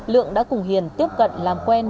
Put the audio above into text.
lượng đã cùng hiền tiếp cận làm quen